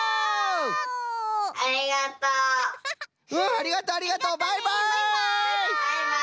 ありがとうありがとう！バイバイ！